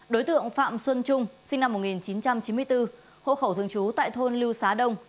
đối tượng phạm xuân trung sinh năm một nghìn chín trăm chín mươi bốn hộ khẩu thường trú tại thôn lưu xá đông